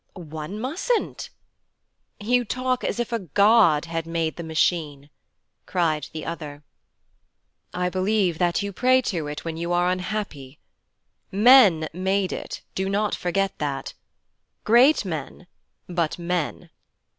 'One mustn't.' 'You talk as if a god had made the Machine,' cried the other. 'I believe that you pray to it when you are unhappy. Men made it, do not forget that. Great men, but men.